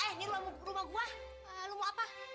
ini rumah gua lu mau apa